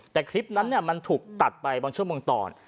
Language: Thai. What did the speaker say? แต่คลิปนั้นมันถูกตัดไปบางช่วงบางตอน